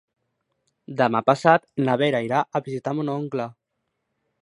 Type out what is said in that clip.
Demà passat na Vera irà a visitar mon oncle.